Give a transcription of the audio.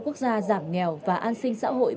quốc gia giảm nghèo và an sinh xã hội